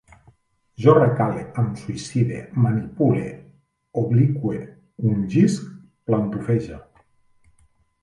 Jo recale, em suïcide, manipule, obliqüe, ungisc, plantofege